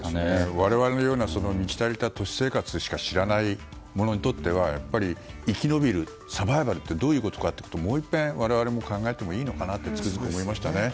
我々のような満ち足りた都市生活しか知らない者にとっては生き延びる、サバイバルってどういうことかをもういっぺん、我々も考えてもいいのかなとつくづく思いました。